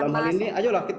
dalam hal ini ayolah kita